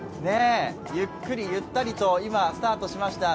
ゆっくり、ゆったりと今、スタートしました。